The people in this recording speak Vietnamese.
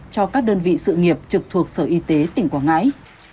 cho các đơn vị sự nghiệp trực thuộc sở y tế tỉnh quảng ngãi